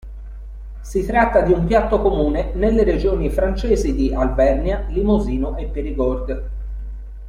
Si tratta di un piatto comune nelle regioni francesi di Alvernia, Limosino e Périgord.